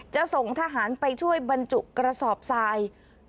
จะส่งทหารไปช่วยบรรจุกระสอบทราย